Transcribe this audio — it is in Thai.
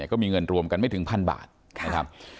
ก็มีเงินรวมกันไม่ถึงพันบาทนะครับ